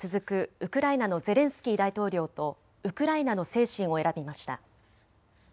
ウクライナのゼレンスキー大統領とウクライナの精神を選びました。